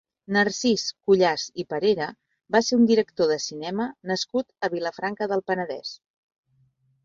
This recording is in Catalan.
Narcís Cuyàs i Parera va ser un director de cinema nascut a Vilafranca del Penedès.